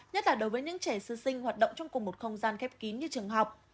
nhất là đối với những trẻ sư sinh hoạt động trong cùng một không gian khép kín như trường học